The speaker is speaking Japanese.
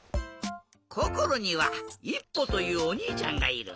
こころにはいっぽというおにいちゃんがいる。